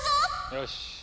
よし。